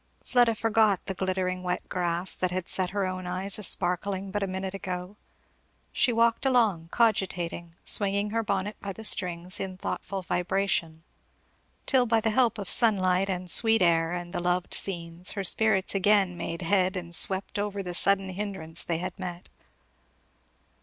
Fleda forgot the glittering wet grass that had set her own eyes a sparkling but a minute ago; she walked along, cogitating, swinging her bonnet by the strings in thoughtful vibration, till by the help of sunlight and sweet air, and the loved scenes, her spirits again made head and swept over the sudden hindrance they had met.